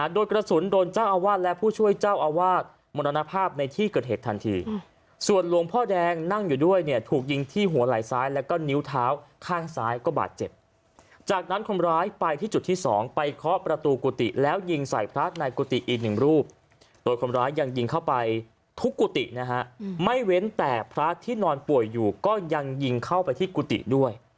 โดยคนร้ายยังยิงเข้าไปทุกกุฎินะครับไม่เว้นแต่พระที่นอนป่วยอยู่ก็ยังยิงเข้าไปที่กุฎิด้วย